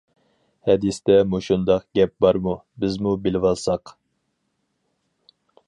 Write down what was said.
ھەدىستە مۇشۇنداق گەپ بارمۇ؟ بىزمۇ بىلىۋالساق.